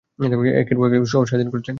একের পর এক শহর স্বাধীন করছেন।